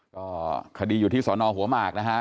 ก็คดีอยู่ที่สอนอหัวหมากนะฮะ